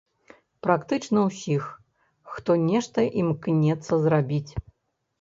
Практычна ўсіх, хто нешта імкнецца зрабіць.